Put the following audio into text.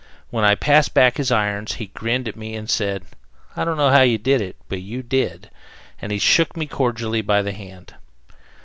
When I passed back his irons, he grinned at me and said, "I don't know how you did it, but you did!" and he shook me cordially by the hand.